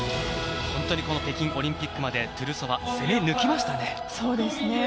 本当に北京オリンピックまでトゥルソワ、攻め抜きましたね。